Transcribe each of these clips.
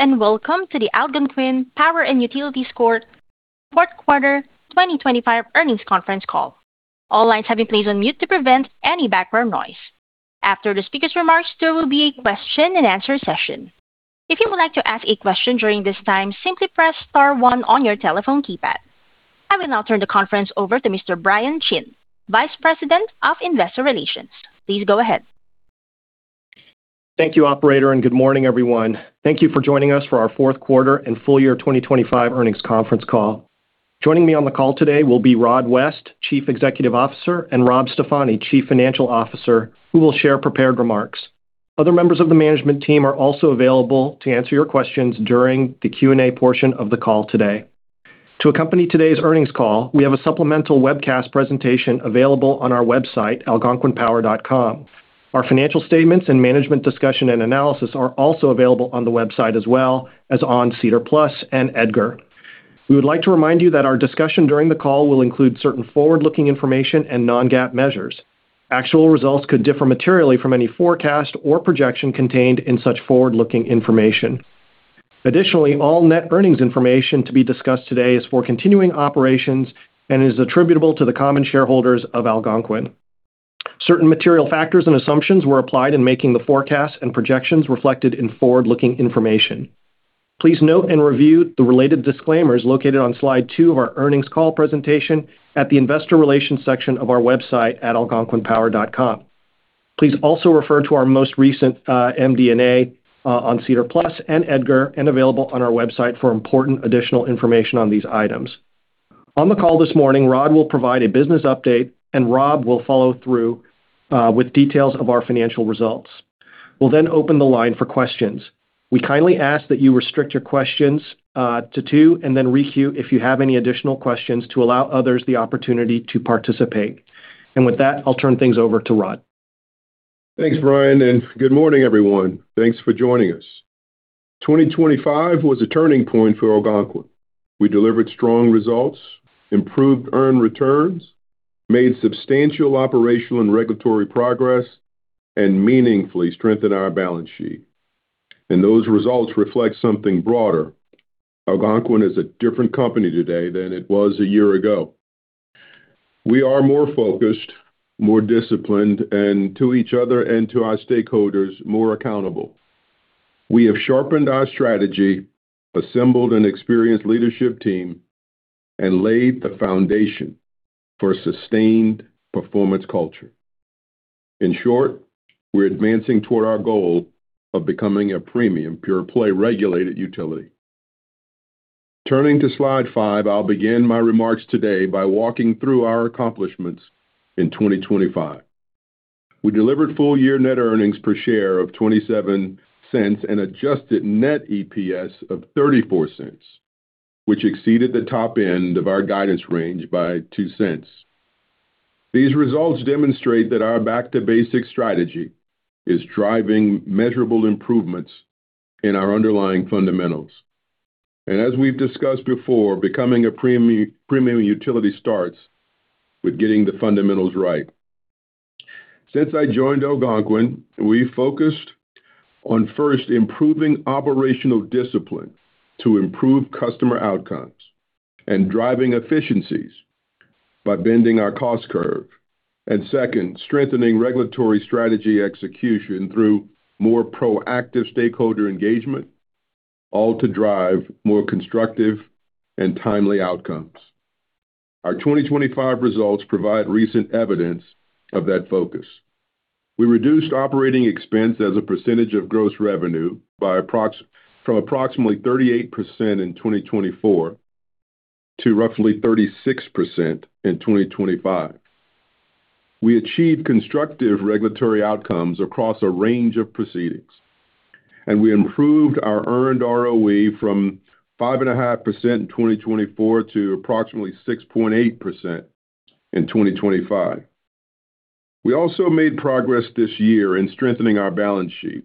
Hello, and welcome to the Algonquin Power & Utilities Corp. Q4 2025 Earnings Conference Call. All lines have been placed on mute to prevent any background noise. After the speaker's remarks, there will be a question-and-answer session. If you would like to ask a question during this time, simply press star one on your telephone keypad. I will now turn the conference over to Mr. Brian Chin, Vice President of Investor Relations. Please go ahead. Thank you, operator. Good morning, everyone. Thank you for joining us for our Q4 and full year 2025 earnings conference call. Joining me on the call today will be Rod West, Chief Executive Officer, and Rob Stefani, Chief Financial Officer, who will share prepared remarks. Other members of the management team are also available to answer your questions during the Q&A portion of the call today. To accompany today's earnings call, we have a supplemental webcast presentation available on our website, algonquinpower.com. Our financial statements and management discussion and analysis are also available on the website as well as on SEDAR+ and EDGAR. We would like to remind you that our discussion during the call will include certain forward-looking information and non-GAAP measures. Actual results could differ materially from any forecast or projection contained in such forward-looking information. Additionally, all net earnings information to be discussed today is for continuing operations and is attributable to the common shareholders of Algonquin. Certain material factors and assumptions were applied in making the forecasts and projections reflected in forward-looking information. Please note and review the related disclaimers located on slide two of our earnings call presentation at the investor relations section of our website at algonquinpower.com. Please also refer to our most recent MD&A on SEDAR+ and EDGAR and available on our website for important additional information on these items. On the call this morning, Rod will provide a business update, and Rob will follow through with details of our financial results. We'll open the line for questions. We kindly ask that you restrict your questions to two and then re-queue if you have any additional questions to allow others the opportunity to participate. With that, I'll turn things over to Rod. Thanks, Brian. Good morning, everyone. Thanks for joining us. 2025 was a turning point for Algonquin. We delivered strong results, improved earned returns, made substantial operational and regulatory progress, and meaningfully strengthened our balance sheet. Those results reflect something broader. Algonquin is a different company today than it was a year ago. We are more focused, more disciplined, and to each other and to our stakeholders, more accountable. We have sharpened our strategy, assembled an experienced leadership team, and laid the foundation for a sustained performance culture. In short, we're advancing toward our goal of becoming a premium pure-play regulated utility. Turning to slide five, I'll begin my remarks today by walking through our accomplishments in 2025. We delivered full-year net earnings per share of $0.27 and Adjusted Net EPS of $0.34, which exceeded the top end of our guidance range by $0.02. These results demonstrate that our back to basics strategy is driving measurable improvements in our underlying fundamentals. As we've discussed before, becoming a premium utility starts with getting the fundamentals right. Since I joined Algonquin, we focused on first, improving operational discipline to improve customer outcomes and driving efficiencies by bending our cost curve. Second, strengthening regulatory strategy execution through more proactive stakeholder engagement, all to drive more constructive and timely outcomes. Our 2025 results provide recent evidence of that focus. We reduced operating expense as a percentage of gross revenue from approximately 38% in 2024 to roughly 36% in 2025. We achieved constructive regulatory outcomes across a range of proceedings, and we improved our earned ROE from 5.5% in 2024 to approximately 6.8% in 2025. We also made progress this year in strengthening our balance sheet.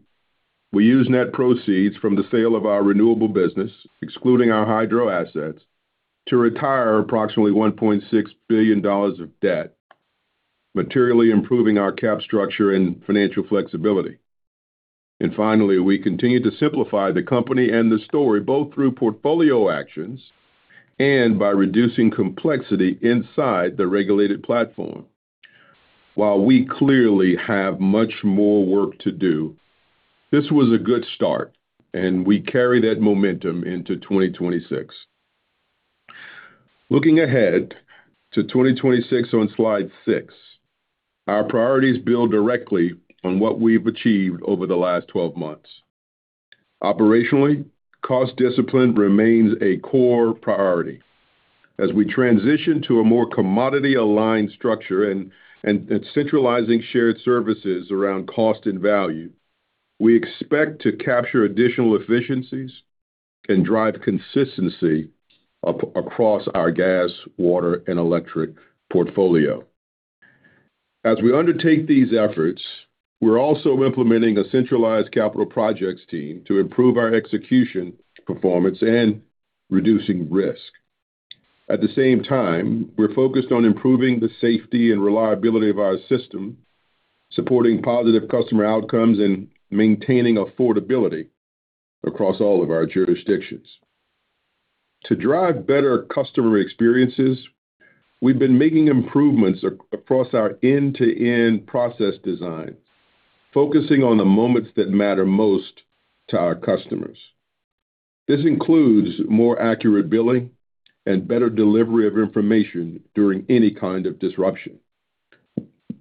We used net proceeds from the sale of our renewable business, excluding our hydro assets, to retire approximately $1.6 billion of debt, materially improving our cap structure and financial flexibility. Finally, we continued to simplify the company and the story, both through portfolio actions and by reducing complexity inside the regulated platform. While we clearly have much more work to do, this was a good start, and we carry that momentum into 2026. Looking ahead to 2026 on slide six, our priorities build directly on what we've achieved over the last twelve months. Operationally, cost discipline remains a core priority. As we transition to a more commodity-aligned structure and centralizing shared services around cost and value, we expect to capture additional efficiencies and drive consistency across our gas, water, and electric portfolio. As we undertake these efforts, we're also implementing a centralized capital projects team to improve our execution, performance, and reducing risk. At the same time, we're focused on improving the safety and reliability of our system, supporting positive customer outcomes, and maintaining affordability across all of our jurisdictions. To drive better customer experiences, we've been making improvements across our end-to-end process design, focusing on the moments that matter most to our customers. This includes more accurate billing and better delivery of information during any kind of disruption.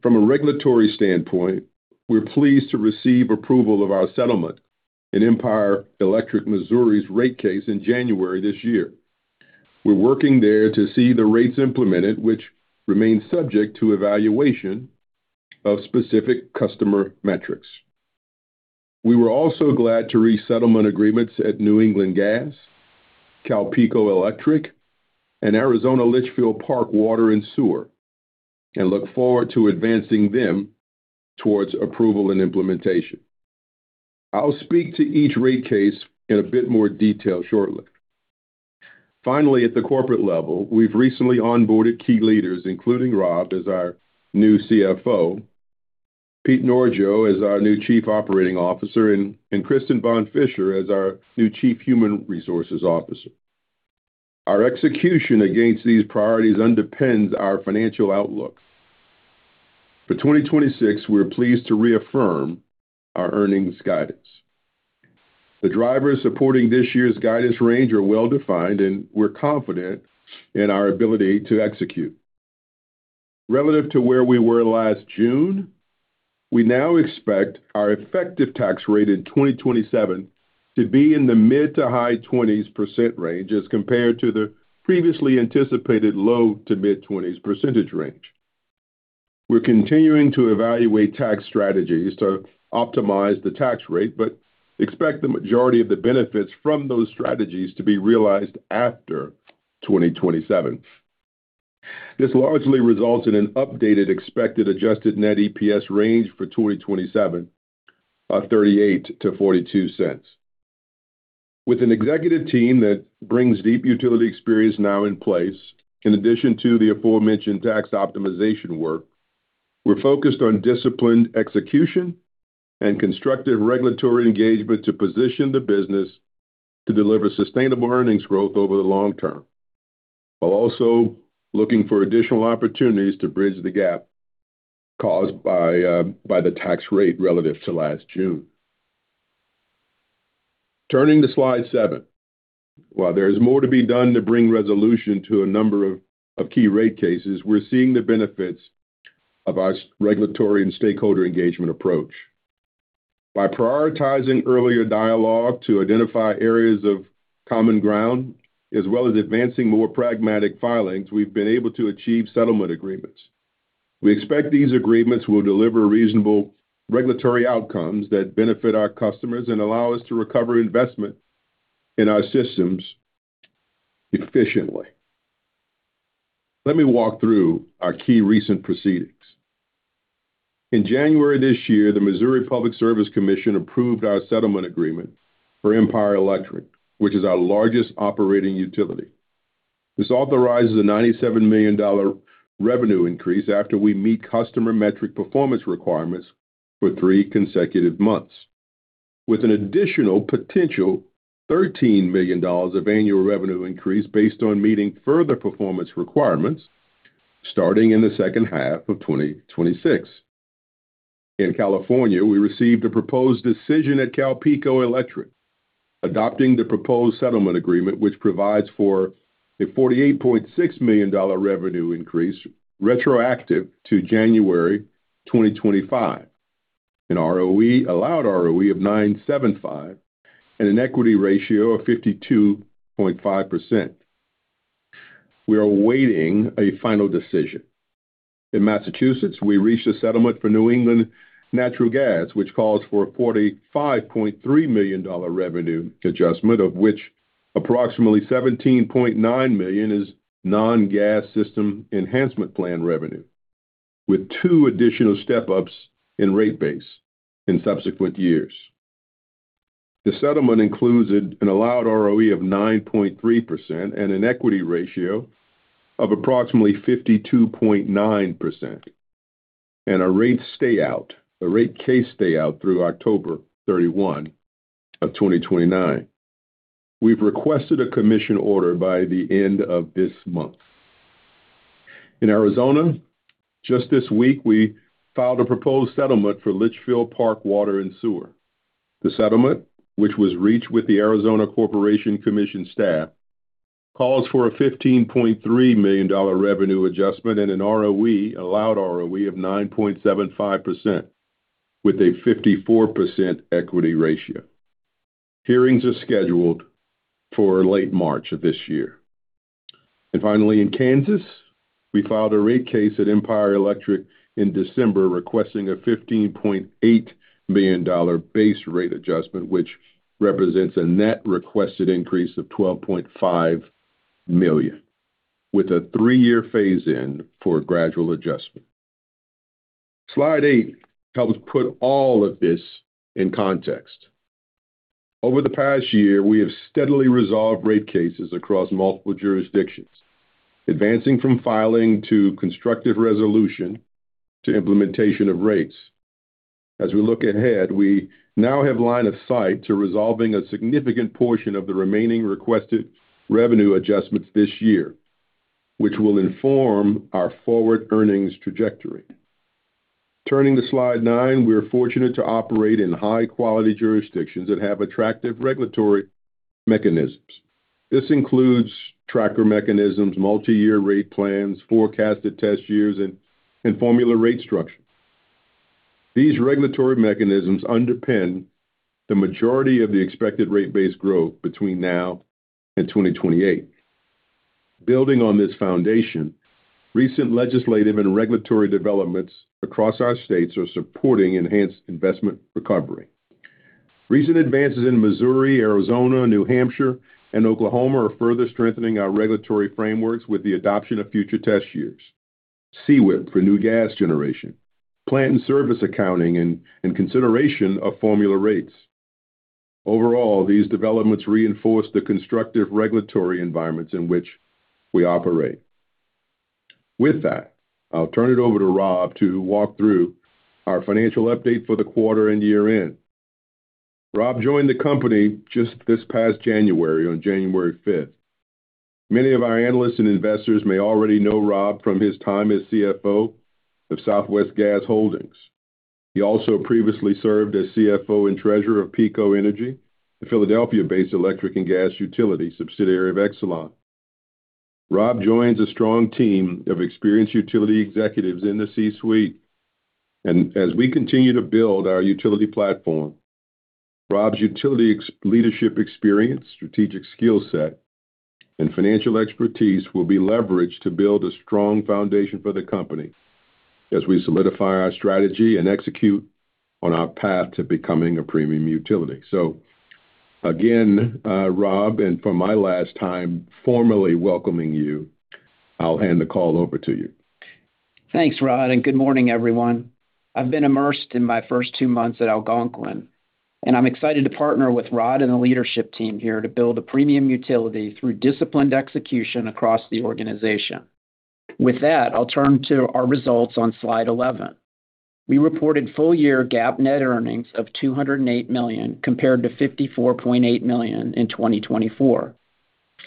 From a regulatory standpoint, we're pleased to receive approval of our settlement in Empire Electric Missouri's rate case in January this year. We're working there to see the rates implemented, which remain subject to evaluation of specific customer metrics. We were also glad to reach settlement agreements at New England Gas, CalPeco Electric, and Arizona Litchfield Park Water & Sewer, and look forward to advancing them towards approval and implementation. I'll speak to each rate case in a bit more detail shortly. At the corporate level, we've recently onboarded key leaders, including Rob as our new CFO, Pete Norgeot as our new Chief Operating Officer, and Kristin von Fischer as our new Chief Human Resources Officer. Our execution against these priorities underpins our financial outlook. For 2026, we're pleased to reaffirm our earnings guidance. The drivers supporting this year's guidance range are well-defined, and we're confident in our ability to execute. Relative to where we were last June, we now expect our effective tax rate in 2027 to be in the mid-to-high 20% range as compared to the previously anticipated low-to-mid 20% range. We're continuing to evaluate tax strategies to optimize the tax rate, but expect the majority of the benefits from those strategies to be realized after 2027. This largely results in an updated expected Adjusted Net EPS range for 2027 of $0.38-$0.42. With an executive team that brings deep utility experience now in place, in addition to the aforementioned tax optimization work, we're focused on disciplined execution and constructive regulatory engagement to position the business to deliver sustainable earnings growth over the long term, while also looking for additional opportunities to bridge the gap caused by the tax rate relative to last June. Turning to slide seven. While there is more to be done to bring resolution to a number of key rate cases, we're seeing the benefits of our regulatory and stakeholder engagement approach. By prioritizing earlier dialogue to identify areas of common ground, as well as advancing more pragmatic filings, we've been able to achieve settlement agreements. We expect these agreements will deliver reasonable regulatory outcomes that benefit our customers and allow us to recover investment in our systems efficiently. Let me walk through our key recent proceedings. In January this year, the Missouri Public Service Commission approved our settlement agreement for Empire Electric, which is our largest operating utility. This authorizes a $97 million revenue increase after we meet customer metric performance requirements for three consecutive months, with an additional potential $13 million of annual revenue increase based on meeting further performance requirements starting in the second half of 2026. In California, we received a proposed decision at CalPeco Electric, adopting the proposed settlement agreement, which provides for a $48.6 million revenue increase retroactive to January 2025. An ROE, allowed ROE of 9.75% and an equity ratio of 52.5%. We are awaiting a final decision. In Massachusetts, we reached a settlement for New England Natural Gas, which calls for a $45.3 million revenue adjustment, of which approximately $17.9 million is non-Gas System Enhancement Plan revenue, with two additional step-ups in rate base in subsequent years. The settlement includes an allowed ROE of 9.3% and an equity ratio of approximately 52.9%, and a rate case stay out through October 31, 2029. We've requested a commission order by the end of this month. In Arizona, just this week, we filed a proposed settlement for Litchfield Park Water and Sewer. The settlement, which was reached with the Arizona Corporation Commission staff, calls for a $15.3 million revenue adjustment and an allowed ROE of 9.75% with a 54% equity ratio. Hearings are scheduled for late March of this year. Finally, in Kansas, we filed a rate case at Empire Electric in December requesting a $15.8 million base rate adjustment, which represents a net requested increase of $12.5 million with a three-year phase-in for gradual adjustment. Slide eight helps put all of this in context. Over the past year, we have steadily resolved rate cases across multiple jurisdictions, advancing from filing to constructive resolution to implementation of rates. As we look ahead, we now have line of sight to resolving a significant portion of the remaining requested revenue adjustments this year, which will inform our forward earnings trajectory. Turning to Slide 9, we are fortunate to operate in high-quality jurisdictions that have attractive regulatory mechanisms. This includes tracker mechanisms, multi-year rate plans, forecasted test years, and formula rate structures. These regulatory mechanisms underpin the majority of the expected rate base growth between now and 2028. Building on this foundation, recent legislative and regulatory developments across our states are supporting enhanced investment recovery. Recent advances in Missouri, Arizona, New Hampshire, and Oklahoma are further strengthening our regulatory frameworks with the adoption of future test years. CWIP for new gas generation, plant and service accounting, and consideration of formula rates. These developments reinforce the constructive regulatory environments in which we operate. With that, I'll turn it over to Rob to walk through our financial update for the quarter and year-end. Rob joined the company just this past January, on January fifth. Many of our analysts and investors may already know Rob from his time as CFO of Southwest Gas Holdings. He also previously served as CFO and Treasurer of PECO Energy, the Philadelphia-based electric and gas utility subsidiary of Exelon. Rob joins a strong team of experienced utility executives in the C-suite. As we continue to build our utility platform, Rob's utility leadership experience, strategic skill set, and financial expertise will be leveraged to build a strong foundation for the company as we solidify our strategy and execute on our path to becoming a premium utility. Again, Rob, and for my last time formally welcoming you, I'll hand the call over to you. Thanks, Rod. Good morning, everyone. I've been immersed in my first two months at Algonquin, and I'm excited to partner with Rod and the leadership team here to build a premium utility through disciplined execution across the organization. With that, I'll turn to our results on slide 11. We reported full year GAAP net earnings of $208 million, compared to $54.8 million in 2024.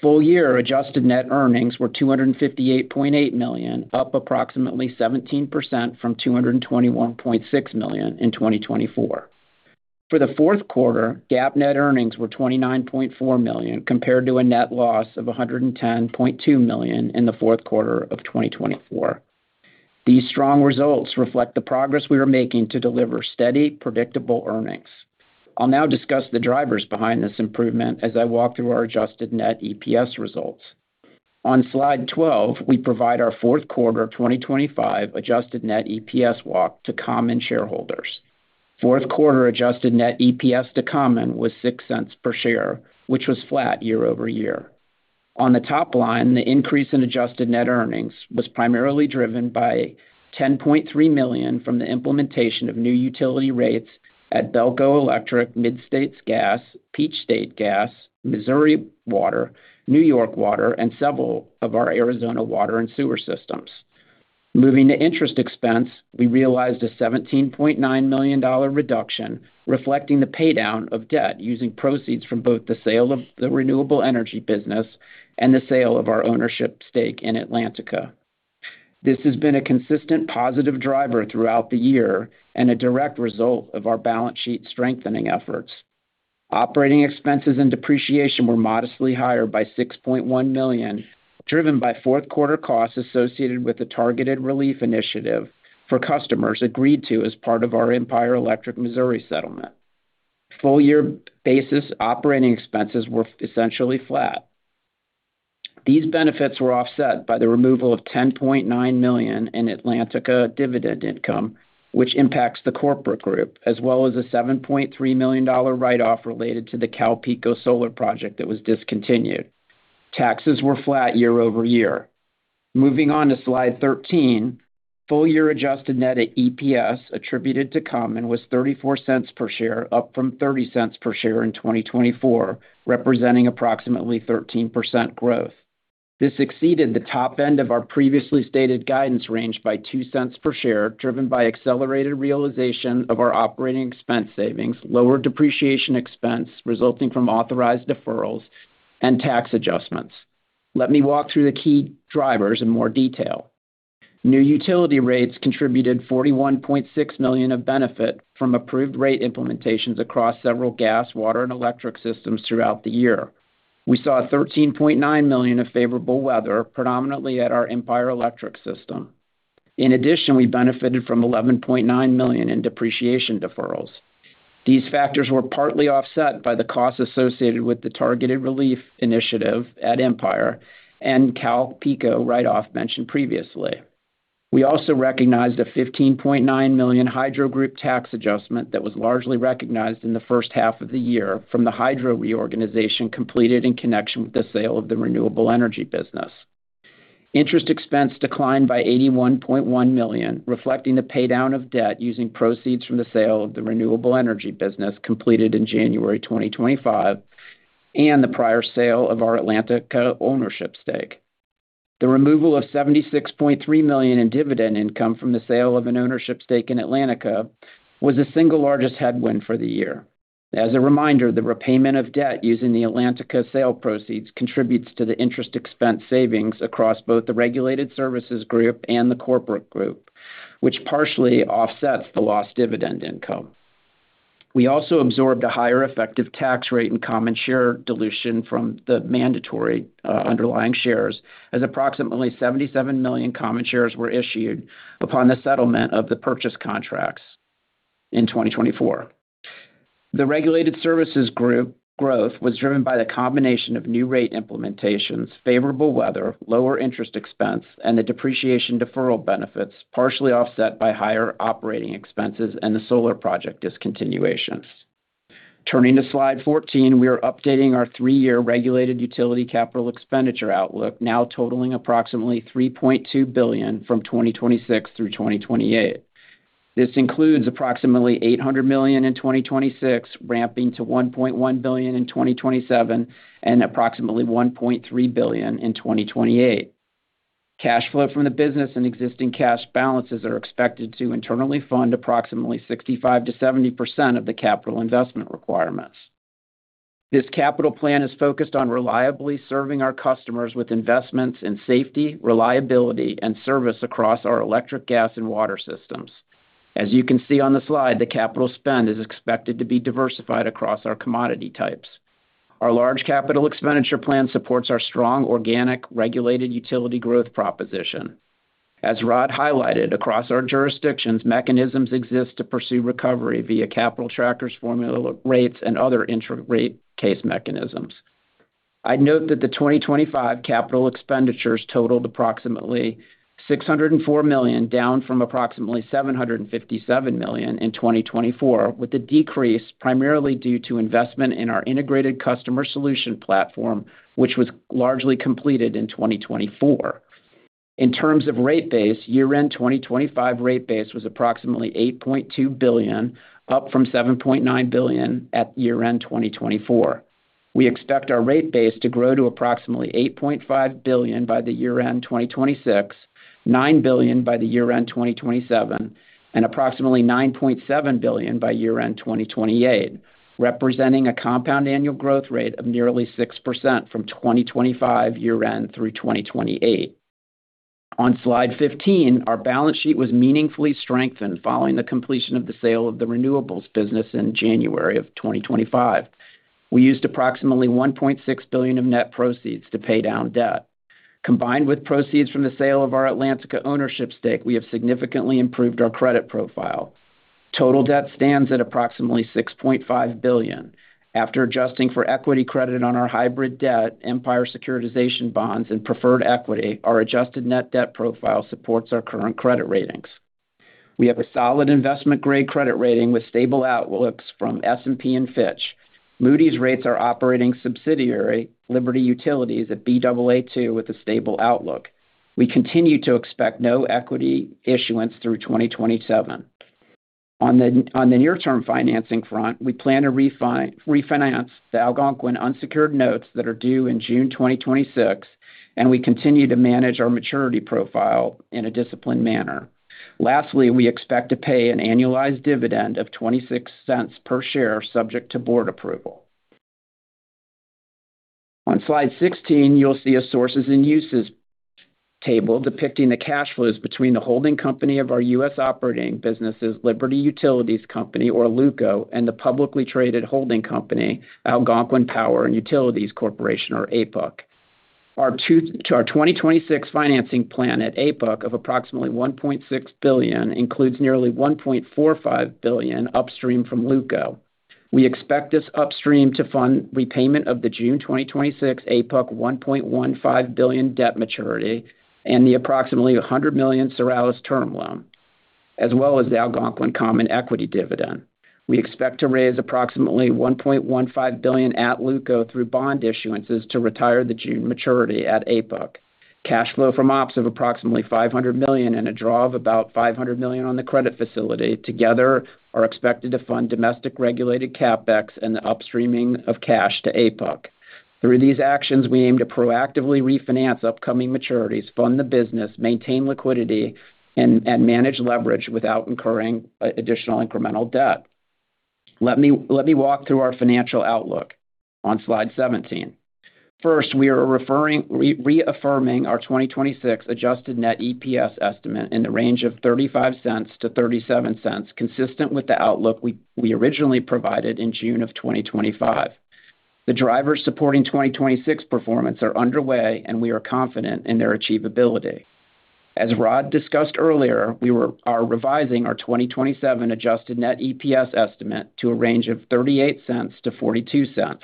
Full year adjusted net earnings were $258.8 million, up approximately 17% from $221.6 million in 2024. For the Q4, GAAP net earnings were $29.4 million, compared to a net loss of $110.2 million in the Q4 of 2024. These strong results reflect the progress we are making to deliver steady, predictable earnings. I'll now discuss the drivers behind this improvement as I walk through our Adjusted Net EPS results. On slide 12, we provide our Q4 of 2025 Adjusted Net EPS walk to common shareholders. Q4 Adjusted Net EPS to common was $0.06 per share, which was flat year-over-year. On the top line, the increase in adjusted net earnings was primarily driven by $10.3 million from the implementation of new utility rates at BELCO, Midstates Gas, Peach State Gas, Missouri Water, New York Water, and several of our Arizona water and sewer systems. Moving to interest expense, we realized a $17.9 million reduction, reflecting the pay down of debt using proceeds from both the sale of the renewable energy business and the sale of our ownership stake in Atlantica. This has been a consistent positive driver throughout the year and a direct result of our balance sheet strengthening efforts. Operating expenses and depreciation were modestly higher by $6.1 million, driven by Q4 costs associated with the targeted relief initiative for customers agreed to as part of our Empire Electric Missouri settlement. Full year basis operating expenses were essentially flat. These benefits were offset by the removal of $10.9 million in Atlantica dividend income, which impacts the corporate group, as well as a $7.3 million write-off related to the CalPeco solar project that was discontinued. Taxes were flat year-over-year. Moving on to slide 13. Full year Adjusted Net EPS attributed to common was $0.34 per share, up from $0.30 per share in 2024, representing approximately 13% growth. This exceeded the top end of our previously stated guidance range by $0.02 per share, driven by accelerated realization of our operating expense savings, lower depreciation expense resulting from authorized deferrals, and tax adjustments. Let me walk through the key drivers in more detail. New utility rates contributed $41.6 million of benefit from approved rate implementations across several gas, water, and electric systems throughout the year. We saw $13.9 million of favorable weather, predominantly at our Empire Electric system. In addition, we benefited from $11.9 million in depreciation deferrals. These factors were partly offset by the costs associated with the targeted relief initiative at Empire and CalPeco write-off mentioned previously. We also recognized a $15.9 million hydro group tax adjustment that was largely recognized in the first half of the year from the hydro reorganization completed in connection with the sale of the renewable energy business. Interest expense declined by $81.1 million, reflecting the paydown of debt using proceeds from the sale of the renewable energy business completed in January 2025, and the prior sale of our Atlantica ownership stake. The removal of $76.3 million in dividend income from the sale of an ownership stake in Atlantica was the single largest headwind for the year. As a reminder, the repayment of debt using the Atlantica sale proceeds contributes to the interest expense savings across both the regulated services group and the corporate group, which partially offsets the lost dividend income. We also absorbed a higher effective tax rate in common share dilution from the mandatory underlying shares, as approximately 77 million common shares were issued upon the settlement of the purchase contracts in 2024. The regulated services group growth was driven by the combination of new rate implementations, favorable weather, lower interest expense, and the depreciation deferral benefits, partially offset by higher operating expenses and the solar project discontinuations. Turning to slide 14, we are updating our 3-year regulated utility CapEx outlook, now totaling approximately $3.2 billion from 2026 through 2028. This includes approximately $800 million in 2026, ramping to $1.1 billion in 2027 and approximately $1.3 billion in 2028. Cash flow from the business and existing cash balances are expected to internally fund approximately 65%-70% of the capital investment requirements. This capital plan is focused on reliably serving our customers with investments in safety, reliability, and service across our electric, gas, and water systems. As you can see on the slide, the capital spend is expected to be diversified across our commodity types. Our large capital expenditure plan supports our strong organic regulated utility growth proposition. As Rod highlighted, across our jurisdictions, mechanisms exist to pursue recovery via capital trackers, formula rates, and other intra-rate case mechanisms. I'd note that the 2025 capital expenditures totaled approximately $604 million, down from approximately $757 million in 2024, with the decrease primarily due to investment in our integrated customer solution platform, which was largely completed in 2024. In terms of rate base, year-end 2025 rate base was approximately $8.2 billion, up from $7.9 billion at year-end 2024. We expect our rate base to grow to approximately $8.5 billion by year-end 2026, $9 billion by year-end 2027, and approximately $9.7 billion by year-end 2028, representing a compound annual growth rate of nearly 6% from 2025 year-end through 2028. On slide 15, our balance sheet was meaningfully strengthened following the completion of the sale of the renewables business in January of 2025. We used approximately $1.6 billion of net proceeds to pay down debt. Combined with proceeds from the sale of our Atlantica ownership stake, we have significantly improved our credit profile. Total debt stands at approximately $6.5 billion. After adjusting for equity credit on our hybrid debt, Empire securitization bonds, and preferred equity, our adjusted net debt profile supports our current credit ratings. We have a solid investment-grade credit rating with stable outlooks from S&P and Fitch. Moody's rates our operating subsidiary, Liberty Utilities, at Baa2 with a stable outlook. We continue to expect no equity issuance through 2027. On the near-term financing front, we plan to refinance the Algonquin unsecured notes that are due in June 2026, and we continue to manage our maturity profile in a disciplined manner. Lastly, we expect to pay an annualized dividend of $0.26 per share, subject to board approval. On slide 16, you'll see a sources and uses table depicting the cash flows between the holding company of our U.S. operating businesses, Liberty Utilities Co., or LUCO, and the publicly traded holding company, Algonquin Power & Utilities Corporation, or APUC. Our 2026 financing plan at APUC of approximately $1.6 billion includes nearly $1.45 billion upstream from LUCO. We expect this upstream to fund repayment of the June 2026 APUC $1.15 billion debt maturity and the approximately $100 million Suralis term loan, as well as the Algonquin common equity dividend. We expect to raise approximately $1.15 billion at LUCO through bond issuances to retire the June maturity at APUC. Cash flow from ops of approximately $500 million and a draw of about $500 million on the credit facility together are expected to fund domestic regulated CapEx and the upstreaming of cash to APUC. Through these actions, we aim to proactively refinance upcoming maturities, fund the business, maintain liquidity, and manage leverage without incurring additional incremental debt. Let me walk through our financial outlook on slide 17. First, we are reaffirming our 2026 Adjusted Net EPS estimate in the range of $0.35-$0.37, consistent with the outlook we originally provided in June of 2025. The drivers supporting 2026 performance are underway. We are confident in their achievability. As Rod discussed earlier, we are revising our 2027 Adjusted Net EPS estimate to a range of $0.38-$0.42.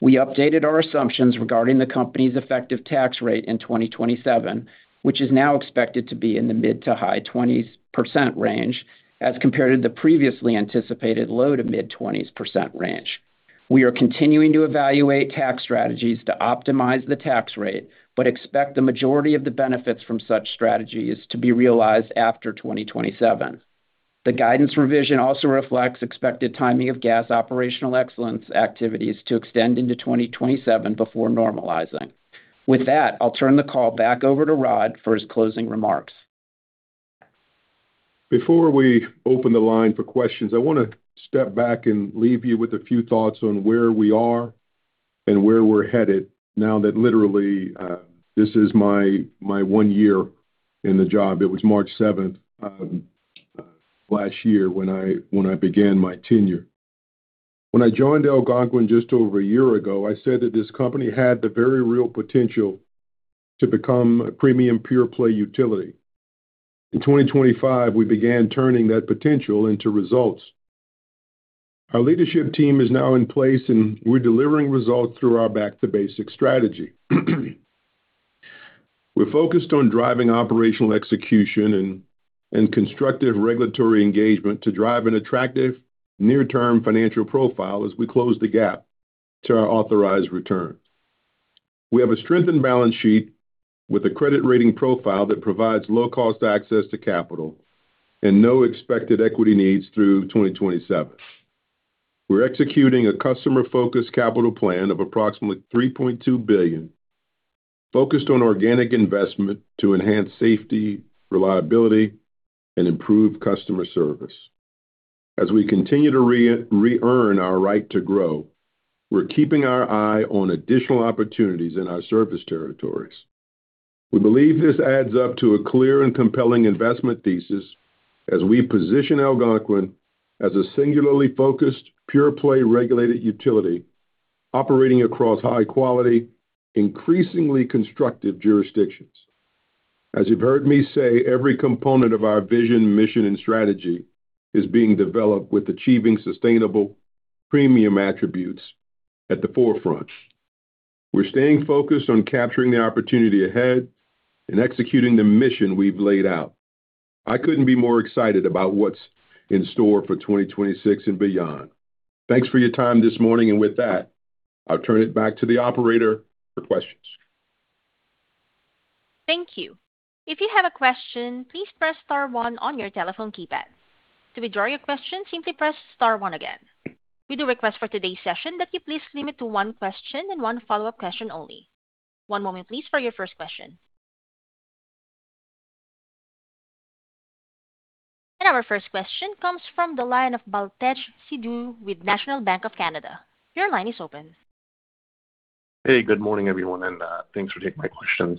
We updated our assumptions regarding the company's effective tax rate in 2027, which is now expected to be in the mid-to-high 20s% range as compared to the previously anticipated low-to-mid 20s% range. We are continuing to evaluate tax strategies to optimize the tax rate, but expect the majority of the benefits from such strategies to be realized after 2027. The guidance revision also reflects expected timing of gas operational excellence activities to extend into 2027 before normalizing. With that, I'll turn the call back over to Rod for his closing remarks. Before we open the line for questions, I want to step back and leave you with a few thoughts on where we are and where we're headed now that literally, this is my 1 year in the job. It was March 7 last year when I began my tenure. When I joined Algonquin just over 1 year ago, I said that this company had the very real potential to become a premium pure-play utility. In 2025, we began turning that potential into results. Our leadership team is now in place, and we're delivering results through our back-to-basics strategy. We're focused on driving operational execution and constructive regulatory engagement to drive an attractive near-term financial profile as we close the gap to our authorized return. We have a strengthened balance sheet with a credit rating profile that provides low-cost access to capital and no expected equity needs through 2027. We're executing a customer-focused capital plan of approximately $3.2 billion, focused on organic investment to enhance safety, reliability, and improve customer service. As we continue to re-earn our right to grow, we're keeping our eye on additional opportunities in our service territories. We believe this adds up to a clear and compelling investment thesis as we position Algonquin as a singularly focused, pure-play regulated utility operating across high quality, increasingly constructive jurisdictions. As you've heard me say, every component of our vision, mission, and strategy is being developed with achieving sustainable premium attributes at the forefront. We're staying focused on capturing the opportunity ahead and executing the mission we've laid out. I couldn't be more excited about what's in store for 2026 and beyond. Thanks for your time this morning. With that, I'll turn it back to the operator for questions. Thank you. If you have a question, please press star one on your telephone keypad. To withdraw your question, simply press star one again. We do request for today's session that you please limit to one question and one follow-up question only. One moment please for your first question. Our first question comes from the line of Baltej Sidhu with National Bank of Canada. Your line is open. Hey, good morning, everyone, and thanks for taking my questions.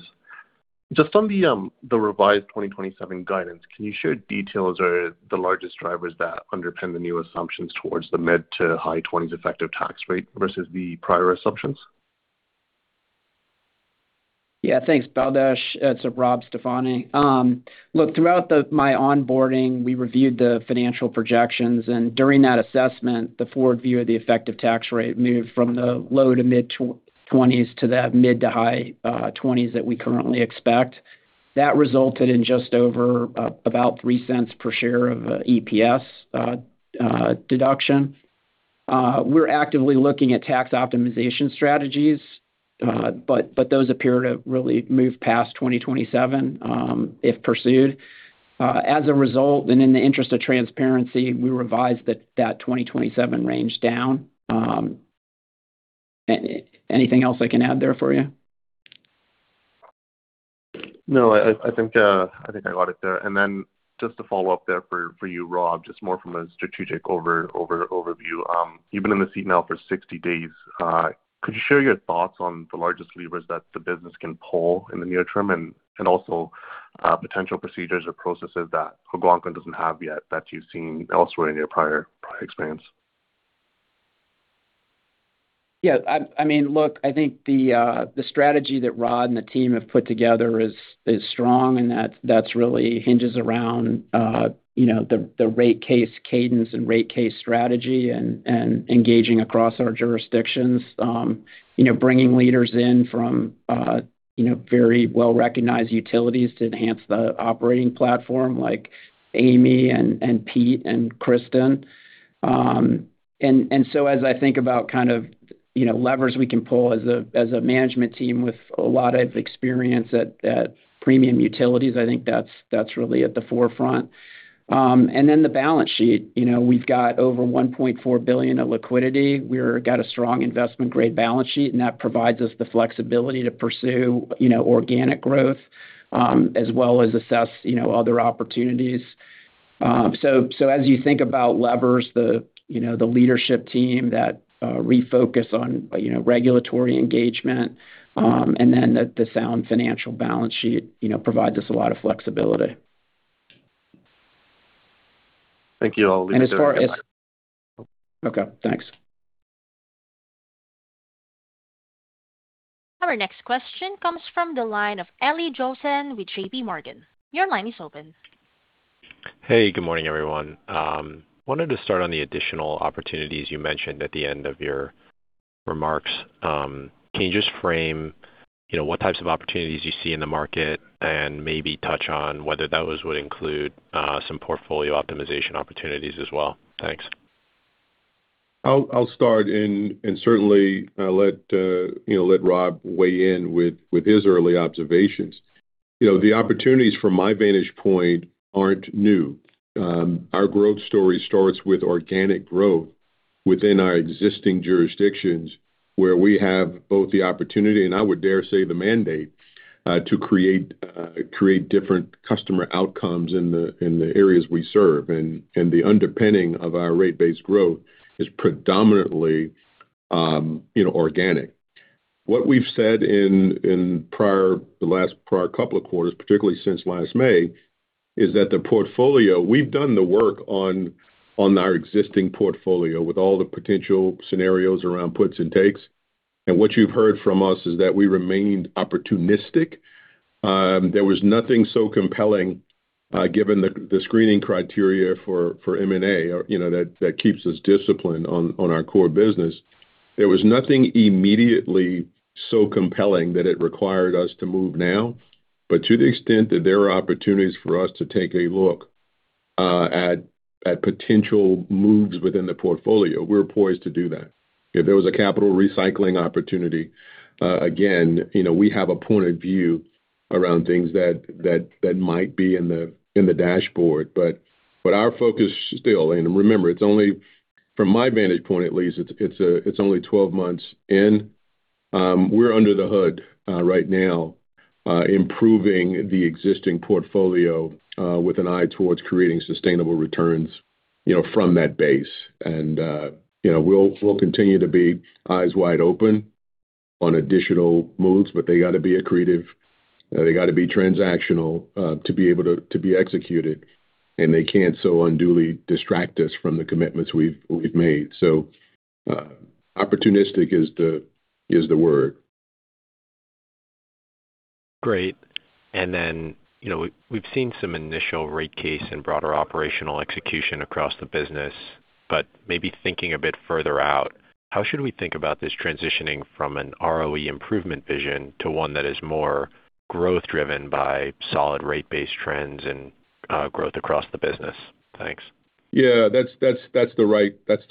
Just on the revised 2027 guidance, can you share details or the largest drivers that underpin the new assumptions towards the mid to high 20s effective tax rate versus the prior assumptions? Thanks, Baltej. It's Rob Stefani. Look, throughout my onboarding, we reviewed the financial projections. During that assessment, the forward view of the effective tax rate moved from the low to mid twenties to the mid to high twenties that we currently expect. That resulted in just over about $0.03 per share of EPS deduction. We're actively looking at tax optimization strategies, but those appear to really move past 2027 if pursued. As a result, and in the interest of transparency, we revised that 2027 range down. Anything else I can add there for you? No, I think I got it there. Just to follow up there for you, Rob, just more from a strategic overview. You've been in the seat now for 60 days. Could you share your thoughts on the largest levers that the business can pull in the near term and also potential procedures or processes that Algonquin doesn't have yet that you've seen elsewhere in your prior experience? Look, I think the strategy that Rod and the team have put together is strong, and that's really hinges around, the rate case cadence and rate case strategy and engaging across our jurisdictions. bringing leaders in from, very well-recognized utilities to enhance the operating platform like Amy and Pete and Kristen. As I think about kind of, levers we can pull as a management team with a lot of experience at premium utilities, I think that's really at the forefront. The balance sheet. we've got over $1.4 billion of liquidity. We've got a strong investment-grade balance sheet. That provides us the flexibility to pursue, organic growth, as well as assess, other opportunities. As you think about levers, the, the leadership team that refocus on, regulatory engagement, and then the sound financial balance sheet, provides us a lot of flexibility. Thank you. I'll leave it there. As far as Bye. Okay, thanks. Our next question comes from the line of Eli Jossen with JPMorgan. Your line is open. Hey, good morning, everyone. wanted to start on the additional opportunities you mentioned at the end of your. Remarks. Can you just frame, what types of opportunities you see in the market and maybe touch on whether those would include some portfolio optimization opportunities as well? Thanks. I'll start and certainly, let Rob weigh in with his early observations. The opportunities from my vantage point aren't new. Our growth story starts with organic growth within our existing jurisdictions where we have both the opportunity, and I would dare say the mandate, to create different customer outcomes in the areas we serve. The underpinning of our rate-based growth is predominantly organic. What we've said in the last prior couple of quarters, particularly since last May, is that We've done the work on our existing portfolio with all the potential scenarios around puts and takes. What you've heard from us is that we remained opportunistic. There was nothing so compelling, given the screening criteria for M&A, that keeps us disciplined on our core business. There was nothing immediately so compelling that it required us to move now. To the extent that there are opportunities for us to take a look at potential moves within the portfolio, we're poised to do that. If there was a capital recycling opportunity, again, we have a point of view around things that might be in the dashboard. Our focus still. Remember, it's only, from my vantage point at least, it's only 12 months in. We're under the hood right now, improving the existing portfolio with an eye towards creating sustainable returns, from that base. we'll continue to be eyes wide open on additional moves, but they gotta be accretive, they gotta be transactional, to be able to be executed, and they can't so unduly distract us from the commitments we've made. Opportunistic is the word. Great. We've seen some initial rate case and broader operational execution across the business, but maybe thinking a bit further out, how should we think about this transitioning from an ROE improvement vision to one that is more growth driven by solid rate-based trends and growth across the business? Thanks. That's the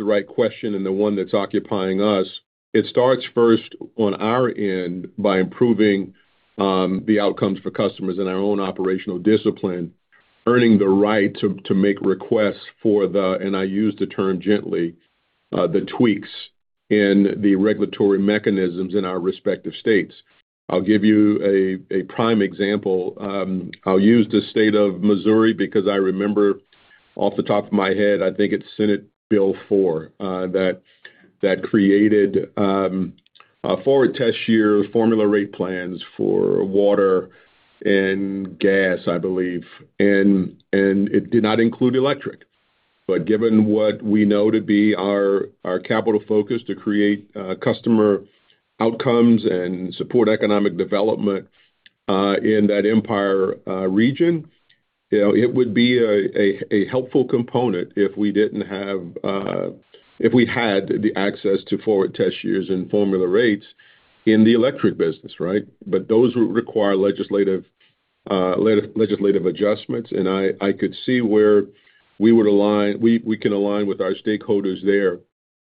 right question and the one that's occupying us. It starts first on our end by improving the outcomes for customers and our own operational discipline, earning the right to make requests for the, and I use the term gently, the tweaks in the regulatory mechanisms in our respective states. I'll give you a prime example. I'll use the state of Missouri because I remember off the top of my head, I think it's Senate Bill 4 that created a forward test year formula rate plans for water and gas, I believe. It did not include electric. Given what we know to be our capital focus to create customer outcomes and support economic development in that Empire region, it would be a helpful component if we had the access to forward test years and formula rates in the electric business, right? Those would require legislative adjustments, and I could see where we can align with our stakeholders there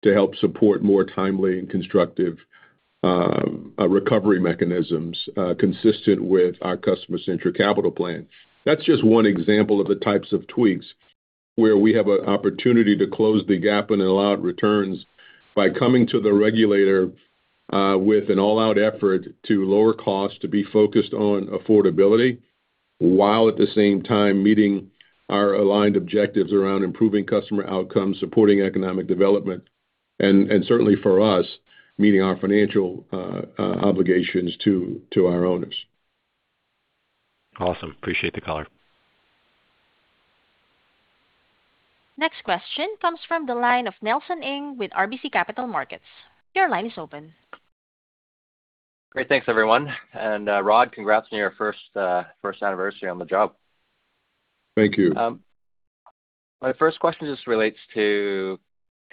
to help support more timely and constructive recovery mechanisms consistent with our customer-centric capital plan. That's just one example of the types of tweaks where we have an opportunity to close the gap in allowed returns by coming to the regulator with an all-out effort to lower costs, to be focused on affordability, while at the same time meeting our aligned objectives around improving customer outcomes, supporting economic development, and certainly for us, meeting our financial obligations to our owners. Awesome. Appreciate the color. Next question comes from the line of Nelson Ng with RBC Capital Markets. Your line is open. Great. Thanks, everyone. Rod, congratulations on your first anniversary on the job. Thank you. My first question just relates to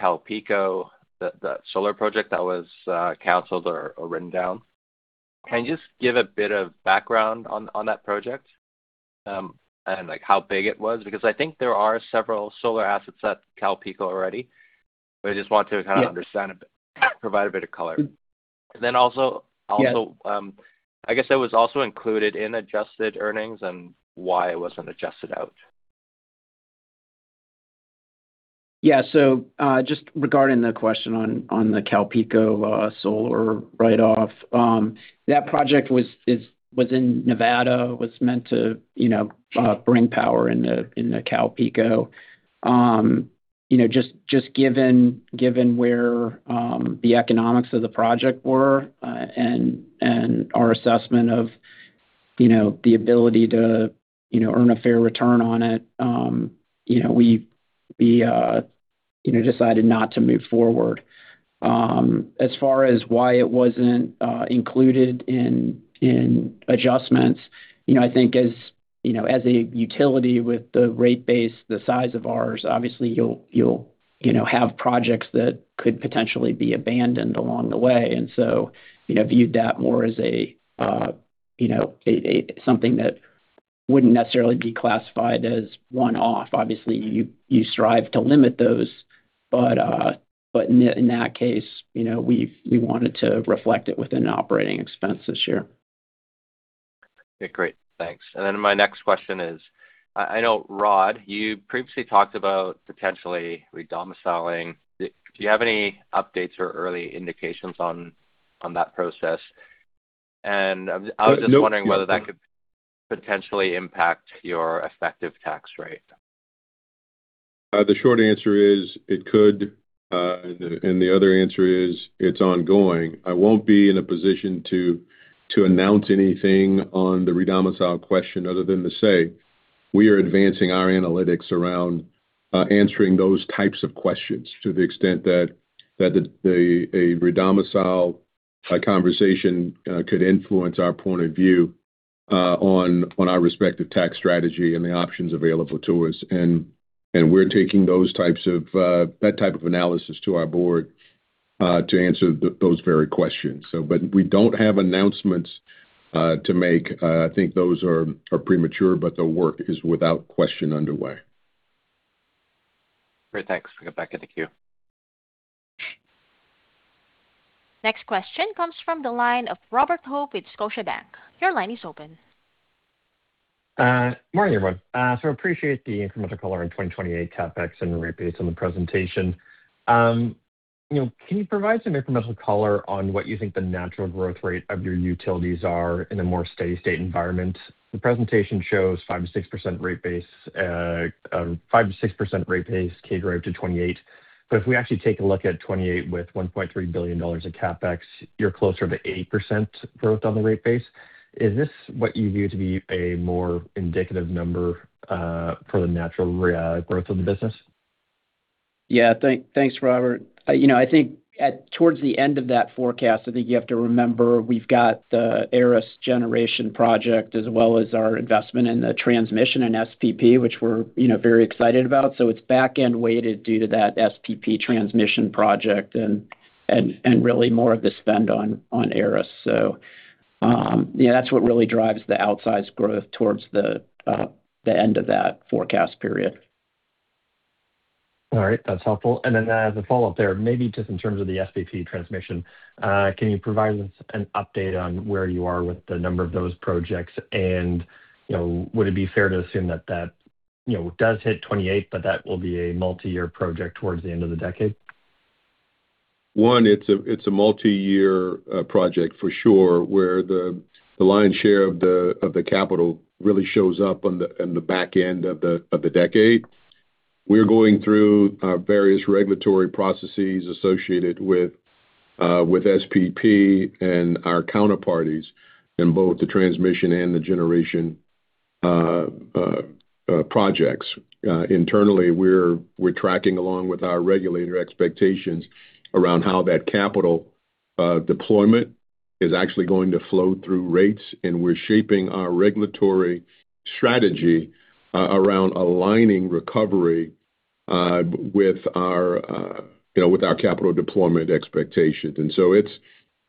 CalPeco, the solar project that was canceled or written down. Can you just give a bit of background on that project? And like how big it was? I think there are several solar assets at CalPeco already. Yeah. understand a bit, provide a bit of color. also. Yeah. I guess it was also included in adjusted earnings and why it wasn't adjusted out. Yeah. Just regarding the question on the CalPeco solar write-off. That project was in Nevada, was meant to, bring power in the, in the CalPeco. just given where the economics of the project were, and our assessment of the ability to earn a fair return on it. We decided not to move forward. As far as why it wasn't included in adjustments. I think as as a utility with the rate base the size of ours, obviously you'll, have projects that could potentially be abandoned along the way. viewed that more as a something that wouldn't necessarily be classified as one-off. Obviously, you strive to limit those, but in that case, we wanted to reflect it within operating expense this year. Okay, great. Thanks. My next question is, I know, Rod, you previously talked about potentially re-domiciling. Do you have any updates or early indications on that process? I was just wondering whether that could potentially impact your effective tax rate. The short answer is it could, and the other answer is it's ongoing. I won't be in a position to announce anything on the re-domicile question other than to say we are advancing our analytics around answering those types of questions to the extent that the re-domicile conversation could influence our point of view on our respective tax strategy and the options available to us. We're taking those types of that type of analysis to our board to answer those very questions. But we don't have announcements to make. I think those are premature, but the work is without question underway. Great. Thanks. Put it back in the queue. Next question comes from the line of Robert Hope with Scotiabank. Your line is open. Morning, everyone. Appreciate the incremental color in 2028 CapEx and rate base on the presentation. can you provide some incremental color on what you think the natural growth rate of your utilities are in a more steady-state environment? The presentation shows 5%-6% rate base, 5%-6% rate base, CAGR to 2028. If we actually take a look at 2028 with $1.3 billion of CapEx, you're closer to 8% growth on the rate base. Is this what you view to be a more indicative number for the natural growth of the business? Thanks, Robert. At towards the end of that forecast, I think you have to remember we've got the Ares generation project as well as our investment in the transmission and SPP, which we're very excited about. It's back-end weighted due to that SPP transmission project and really more of the spend on Ares. That's what really drives the outsized growth towards the end of that forecast period. All right. That's helpful. Then as a follow-up there, maybe just in terms of the SPP transmission, can you provide us an update on where you are with the number of those projects? Would it be fair to assume that that, does hit 2028, but that will be a multi-year project towards the end of the decade? One, it's a multi-year project for sure, where the lion's share of the capital really shows up on the back end of the decade. We're going through our various regulatory processes associated with SPP and our counterparties in both the transmission and the generation projects. Internally, we're tracking along with our regulator expectations around how that capital deployment is actually going to flow through rates. We're shaping our regulatory strategy around aligning recovery with our, with our capital deployment expectations.